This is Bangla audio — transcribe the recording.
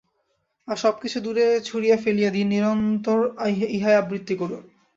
আর সব কিছু দূরে ছুঁড়িয়া ফেলিয়া দিন, নিরন্তর ইহাই আবৃত্তি করুন।